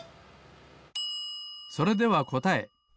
それではこたえ。